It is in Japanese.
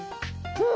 うん。